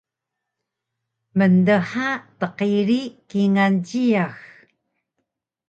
mndha tqiri kingal jiyax